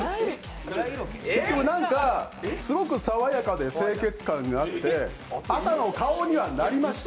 なんか、すごく爽やかで清潔感があって朝の顔にはなりました。